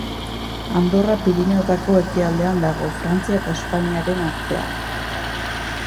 Andorra Pirinioetako ekialdean dago, Frantzia eta Espainiaren artean.